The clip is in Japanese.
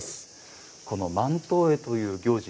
この万灯会という行事